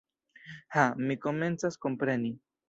Ha, mi komencas kompreni.